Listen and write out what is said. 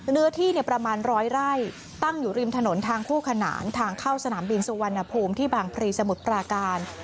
เนื้อที่ประมาณร้อยไร่ตั้งอยู่ริมถนนทางคู่ขนานทางเข้าสนามบินสุวรรณภูมิที่บางพลีสมุทรปราการ